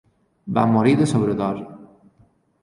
Va morir de sobredosi.